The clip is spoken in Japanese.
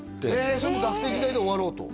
それもう学生時代で終わろうと？